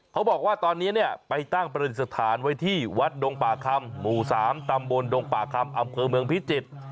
เขาบอกว่าตอนนี้เนี่ยไปตั้งประดิษฐานไว้ที่วัดดงป่าคำหมู่๓ตำบลดงป่าคำอำเภอเมืองพิจิตร